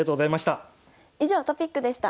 以上トピックでした。